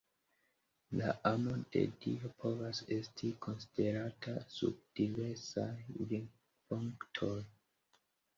La amo de Dio povas esti konsiderata sub diversaj vidpunktoj.